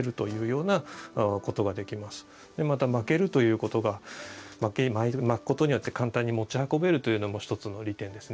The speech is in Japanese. また巻けるということが巻くことによって簡単に持ち運べるというのも一つの利点ですね。